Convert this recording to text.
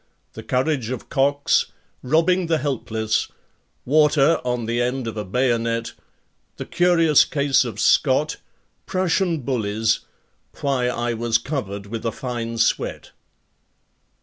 The Courage of Cox Robbing the Helpless Water on the End of a Bayonet The Curious Case of Scott Prussian Bullies Why I Was Covered with a Fine Sweat.